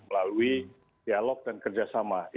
melalui dialog dan kerjasama